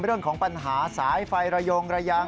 เรื่องของปัญหาสายไฟระยงระยาง